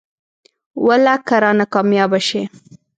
والله که رانه کاميابه شې.